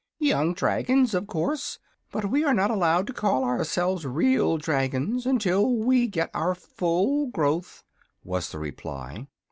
"Young dragons, of course; but we are not allowed to call ourselves real dragons until we get our full growth," was the reply.